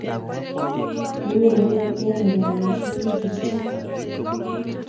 Kiiureren eng ureroshek ingircho.